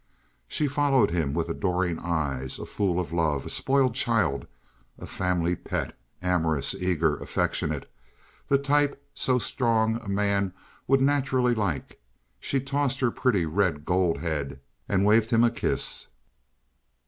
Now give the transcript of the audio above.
She followed him with adoring eyes—a fool of love, a spoiled child, a family pet, amorous, eager, affectionate, the type so strong a man would naturally like—she tossed her pretty red gold head and waved him a kiss.